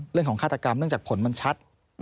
เรื่องของฆาตกรรมเรื่องจากผลมันชัด